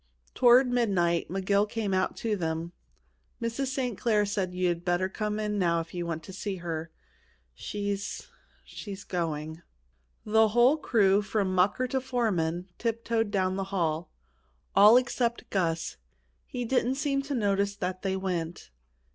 Toward midnight McGill came out to them. "Mrs. St. Clair says you had better come in now if you want to see her. She's she's going!" The whole crew, from mucker to foreman, tiptoed down the hall all except Gus. He didn't seem to notice that they went.